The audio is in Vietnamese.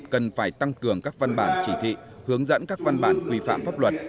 cần phải tăng cường các văn bản chỉ thị hướng dẫn các văn bản quy phạm pháp luật